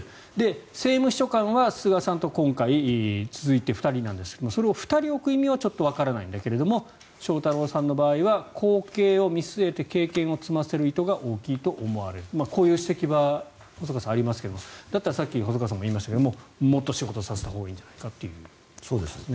政務秘書官は、菅さんと今回続いて２人なんですがそれを２人置く意味はちょっとわからないけれども翔太郎さんの場合は後継を見据えて経験を積ませる意図が大きいと思われるとこういう指摘は細川さん、ありますがだったらさっき細川さんも言いましたけどもっと仕事させたほうがいいんじゃないかという。